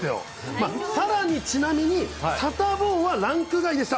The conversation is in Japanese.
まあ、さらにちなみに、サタボーはランク外でした。